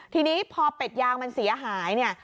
ทีนี้พอเป็ดยางมันเสียหาย